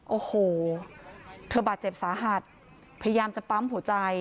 โอ้โหเธอบาดเจ็บสาหัสพยายามจะปั๊มหัวใจ